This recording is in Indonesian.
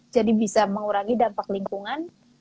bisa mengurangi dampak lingkungan